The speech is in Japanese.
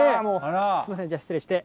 すみません、じゃあ失礼して。